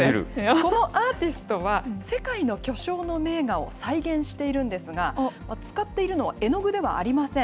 このアーティストは世界の巨匠の名画を再現しているんですが、使っているのは絵の具ではありません。